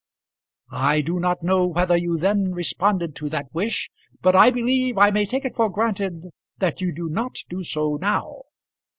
I do not know whether you then responded to that wish, but I believe I may take it for granted that you do not do so now.